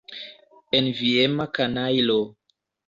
Enviema kanajlo.